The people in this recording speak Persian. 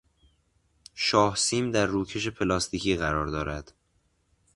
شاهسیم در روکش پلاستیکی قرار دارد.